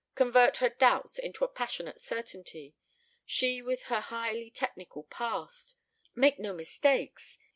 Convert her doubts into a passionate certainty? She, with her highly technical past! Make no mistakes?